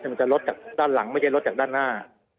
มันจะลดจากด้านหลังไม่ใช่รถจากด้านหน้า